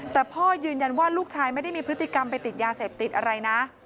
แต่พ่อยืนยันว่าลูกชายไม่ได้มีพฤติกรรมไปติดยาเสพติดอะไรนะ